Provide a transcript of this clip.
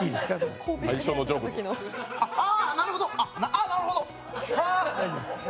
あ、なるほど。